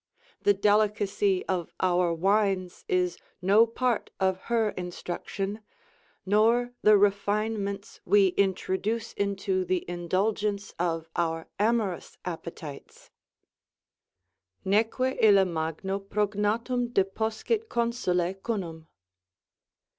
The delicacy of our wines is no part of her instruction, nor the refinements we introduce into the indulgence of our amorous appetites: Neque ilia Magno prognatum deposcit consule cunnum.